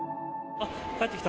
帰ってきた。